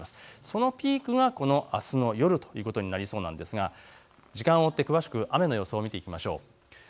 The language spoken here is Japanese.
そのピークが、あすの夜ということになりそうなんですが、時間を追って詳しく雨の予想を見ていきましょう。